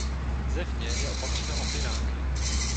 Zevně je opatřena opěráky.